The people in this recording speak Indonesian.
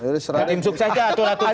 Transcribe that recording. dan tim suksesnya atur atur sendiri